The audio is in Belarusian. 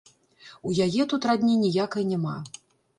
У яе тут радні ніякай няма.